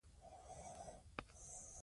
هغه هره ورځ خپل هدفونه بیاکتنه کوي.